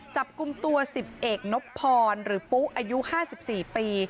จับกลุ่มตัว๑๐เอกนบพรหรือปุ๊อายุ๕๔ปี